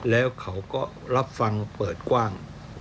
แล้วเขาก็รับฟังเปิดกว้าง